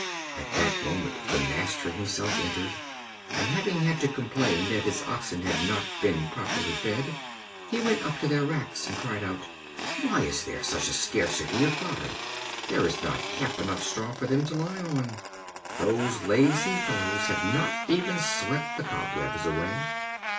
At that moment the master himself entered, and having had to complain that his oxen had not been properly fed, he went up to their racks, and cried out: "Why is there such a scarcity of fodder? There is not half enough straw for them to lie on. Those lazy fellows have not even swept the cobwebs away."